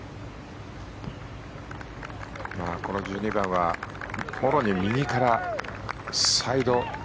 この１２番はもろに右からサイド。